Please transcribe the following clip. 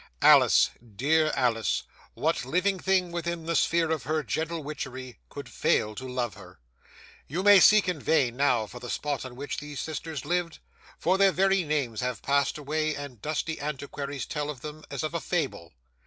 Alice, dear Alice; what living thing within the sphere of her gentle witchery, could fail to love her! 'You may seek in vain, now, for the spot on which these sisters lived, for their very names have passed away, and dusty antiquaries tell of them as of a fable.